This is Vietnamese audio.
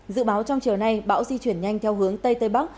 dự báo trong chiều nay bão di chuyển nhanh theo hướng tây tây bắc